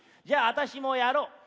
じゃああたしもやろう。